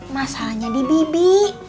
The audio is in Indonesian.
masalahnya di bibi